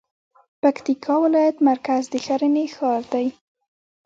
پکتيکا ولايت مرکز د ښرنې ښار دی